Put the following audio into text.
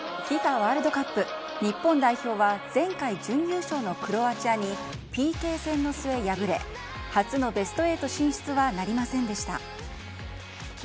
ワールドカップ、日本代表は、前回準優勝のクロアチアにＰＫ戦の末敗れ、初のベスト８進出はなりませんでした。